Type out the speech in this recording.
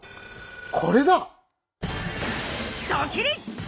これだ！